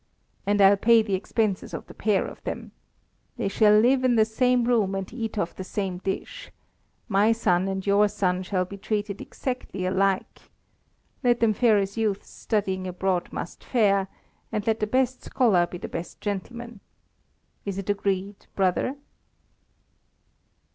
And I'll pay the expenses of the pair of them. They shall live in the same room and eat off the same dish. My son and your son shall be treated exactly alike. Let them fare as youths studying abroad must fare, and let the best scholar be the best gentleman. Is it agreed, brother?"